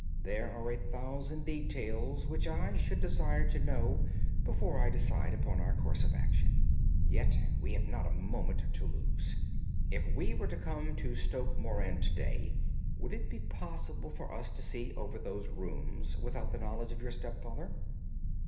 "There are a thousand details which I should desire to know before I decide upon our course of action. Yet we have not a moment to lose. If we were to come to Stoke Moran to day, would it be possible for us to see over these rooms without the knowledge of your stepfather?"